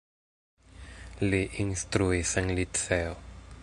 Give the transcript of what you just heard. Li instruis en liceo.